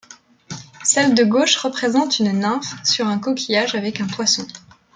Celle de gauche représente une nymphe sur un coquillage avec un poisson.